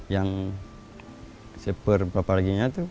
yang siaper berapa lagi nya tuh